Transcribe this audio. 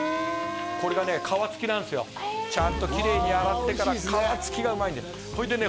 これがね皮付きなんですよちゃんときれいに洗ってから皮付きがうまいんでほいでね